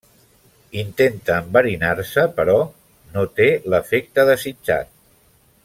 Intenta enverinar-se, però no té l'efecte desitjat.